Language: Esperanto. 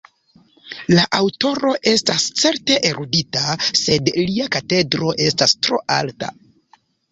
La aŭtoro estas certe erudita, sed lia katedro estas tro alta.